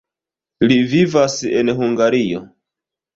Li vivas en Hungario.